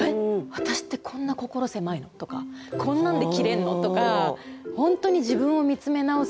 私ってこんな心狭いの？」とか「こんなんでキレんの？」とか本当に自分を見つめ直す時間なんですよね。